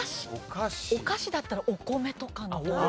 お菓子だったらお米とかの方が。